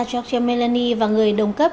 giorgio melani và người đồng cấp